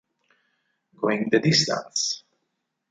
Going the Distance